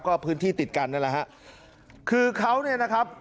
ก็พื้นที่ติดกันนั่นแหละฮะคือเขาเนี่ยนะครับ